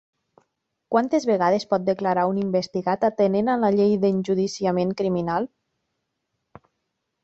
Quantes vegades pot declarar un investigat atenent a la llei d'enjudiciament criminal?